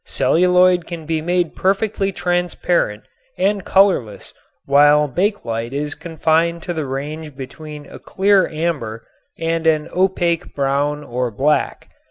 Celluloid can be made perfectly transparent and colorless while bakelite is confined to the range between a clear amber and an opaque brown or black.